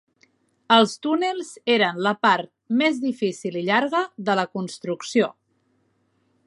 Els túnels eren la part més difícil i llarga de la construcció.